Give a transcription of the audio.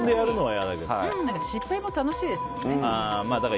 失敗も楽しいですよね。